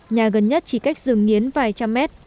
nhà gần nhất chỉ cách rừng nghiến vài trăm mét